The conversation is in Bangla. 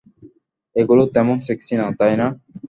এগুলো তেমন সেক্সি না, তাই না?